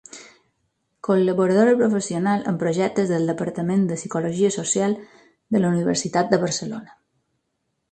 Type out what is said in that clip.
Col·laboradora professional en projectes del Departament de Psicologia Social de la Universitat de Barcelona.